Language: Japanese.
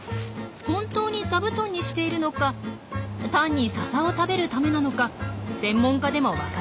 本当に座布団にしているのか単にササを食べるためなのか専門家でも分からないといいます。